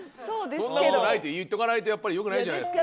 「そんな事ない」って言っとかないとやっぱりよくないんじゃないですか？